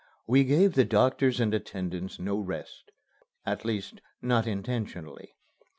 We gave the doctors and attendants no rest at least not intentionally.